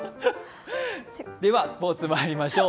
ではスポーツまいりましょう。